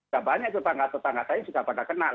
tetangga tetangga saya sudah pada kenal